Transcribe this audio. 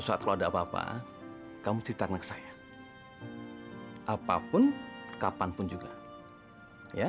saat kalau ada apa apa kamu cerita anak saya apapun kapanpun juga ya